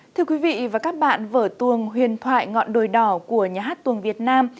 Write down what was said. thưa quý vị và các bạn vở tuồng huyền thoại ngọn đồi đỏ của nhà hát tuồng việt nam